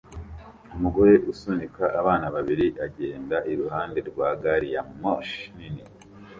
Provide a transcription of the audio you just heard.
Umugore usunika abana babiri agenda iruhande rwa gari ya moshi nini